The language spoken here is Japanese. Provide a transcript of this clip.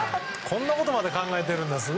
こんなことまで考えてるんだ。